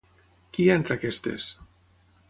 Qui hi ha entre aquestes?